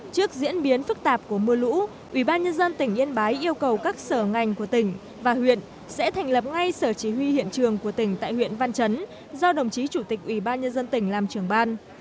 trước diễn biến phức tạp của mưa lũ ủy ban nhân dân tỉnh yên bái yêu cầu các sở ngành của tỉnh và huyện sẽ thành lập ngay sở chỉ huy hiện trường của tỉnh tại huyện văn chấn do đồng chí chủ tịch ủy ban nhân dân tỉnh làm trưởng ban